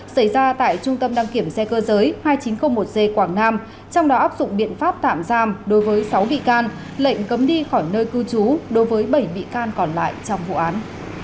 xảy ra tại trung tâm đăng kiểm xe cơ giới hai nghìn chín trăm linh một c quảng nam trong đó áp dụng biện pháp tạm giam đối với sáu bị can lệnh cấm đi khỏi nơi cư trú đối với bảy bị can còn lại trong vụ án